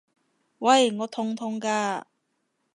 喂！我痛痛㗎！